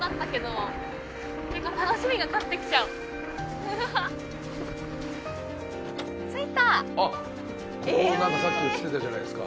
あっここなんかさっき映ってたじゃないですか。